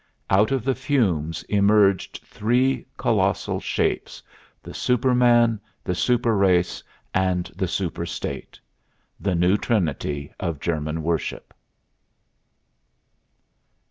Out of the fumes emerged three colossal shapes the Super man, the Super race and the Super state: the new Trinity of German worship.